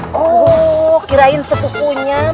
oh kirain sepukunya